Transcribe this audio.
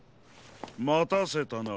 またせたな。